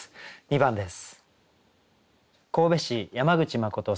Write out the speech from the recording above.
２番です。